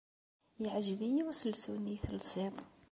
Yeɛjeb-iyi uselsu-nni ay telsiḍ.